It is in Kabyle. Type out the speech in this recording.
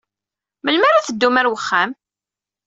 Melmi ara teddum ɣer uxxam?